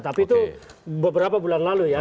tapi itu beberapa bulan lalu ya